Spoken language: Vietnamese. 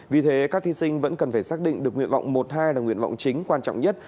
vì thế các thí sinh vẫn cần phải xác định được nguyện vọng một hai là nguyện vọng chính quan trọng nhất